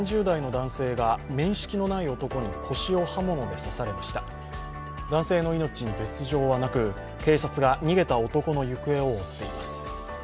男性の命に別状はなく警察が逃げた男の行方を追っています。